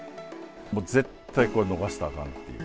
絶対これ逃したらあかんという。